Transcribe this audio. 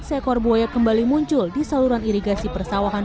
seekor buaya kembali muncul di saluran irigasi persawahan